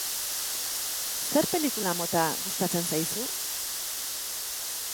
Zer pelikula mota gustatzen zaizu?